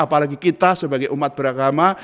apalagi kita sebagai umat beragama